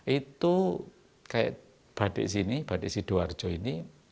itu kayak badik sini badik sidoarjo ini